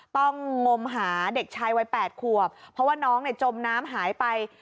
งมหาเด็กชายวัย๘ขวบเพราะว่าน้องจมน้ำหายไป